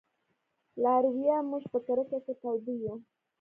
لارويه! موږ په کرکه کې تاوده يو